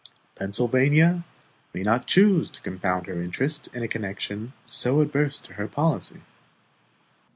Pennsylvania may not choose to confound her interests in a connection so adverse to her policy.